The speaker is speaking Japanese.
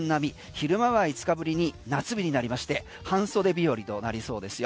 昼間は５日ぶりに夏日になりまして半袖日和となりそうですよ。